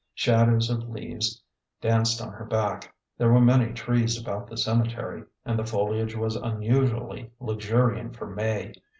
Shadows of leaves danced on her back. There were many trees about the cemetery, and the foliage was unusually luxuriant for May.